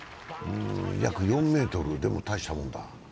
約４メートル、でも、大したもんだ。